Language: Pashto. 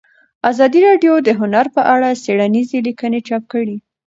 ازادي راډیو د هنر په اړه څېړنیزې لیکنې چاپ کړي.